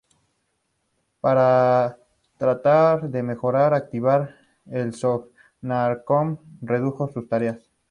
Para tratar de mejorar actividad, el Sovnarkom redujo sus tareas.